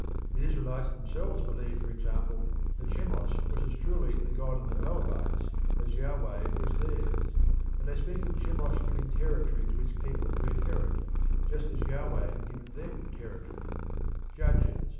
The Israelites themselves believed, for example, that Chemosh was as truly the god of the Moabites as Jahweh was theirs, and they speak of Chemosh giving territory to his people to inherit, just as Jahweh had given them territory (Judges xi.